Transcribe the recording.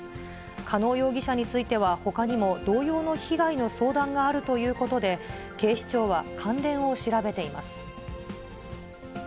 加納容疑者については、ほかにも同様の被害の相談があるということで、警視庁は関連を調べています。